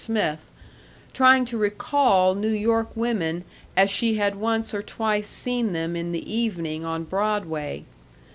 Smith, trying to recall New York women as she had once or twice seen them in the evening on Broadway.